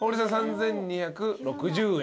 ３，２６０円。